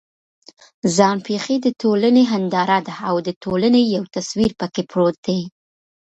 ځان پېښې د ټولنې هنداره ده او د ټولنې یو تصویر پکې پروت دی.